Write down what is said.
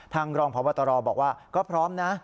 รองพบตรบอกว่าก็พร้อมนะ